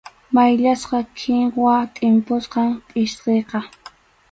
Mayllasqa kinwa tʼimpusqam pʼsqiqa.